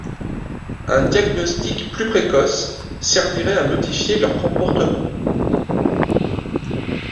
Un diagnostic plus précoce servirait à modifier leur comportement.